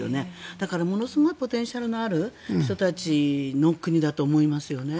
だから、ものすごくポテンシャルのある人たちの国だと思います。